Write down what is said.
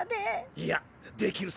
いやできるさ。